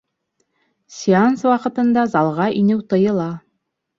Сеанс ваҡытында залға инеү тыйыла